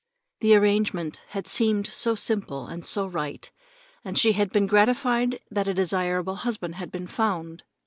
The arrangement had seemed so simple, and so right, and she had been gratified that a desirable husband had been found.